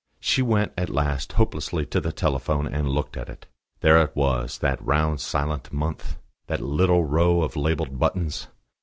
She went at last, hopelessly, to the telephone, and looked at it. There it was, that round silent mouth, that little row of labelled buttons.